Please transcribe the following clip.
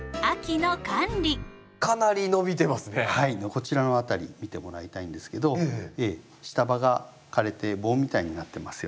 こちらの辺り見てもらいたいんですけど下葉が枯れて棒みたいになってますよね。